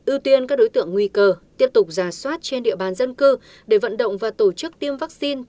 ưu tiên các đối tượng nguy cơ tiếp tục giả soát trên địa bàn dân cư để vận động và tổ chức tiêm vaccine